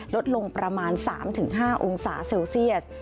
ลดลงประมาณ๓๕องศาเซลเซียส